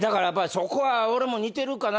そこは俺も似てるかな。